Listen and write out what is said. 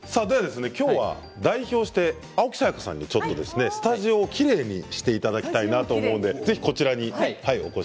今日は代表して青木さやかさんにちょっとスタジオをきれいにしていただきたいなと思います。